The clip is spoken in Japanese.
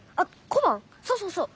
そうそうそう。